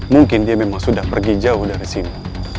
mungkin dia memang sudah pergi jauh dari sini